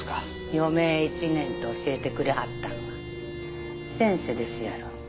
余命１年と教えてくれはったんは先生ですやろ。